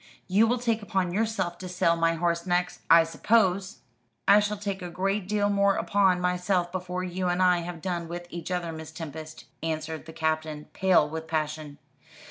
You will take upon yourself to sell my horse next, I suppose?" "I shall take a great deal more upon myself, before you and I have done with each other, Miss Tempest," answered the Captain, pale with passion.